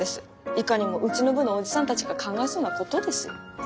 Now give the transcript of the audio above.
いかにもうちの部のおじさんたちが考えそうなことです。